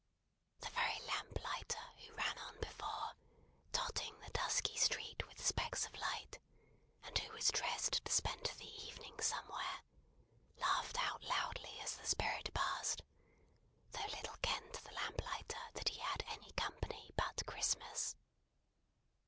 The very lamplighter, who ran on before, dotting the dusky street with specks of light, and who was dressed to spend the evening somewhere, laughed out loudly as the Spirit passed, though little kenned the lamplighter that he had any company but Christmas!